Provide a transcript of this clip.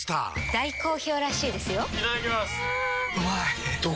大好評らしいですよんうまい！